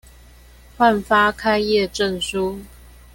換發開業證書